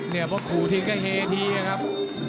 เพราะว่าคูทิ้งตั้งให้เฮทีครับ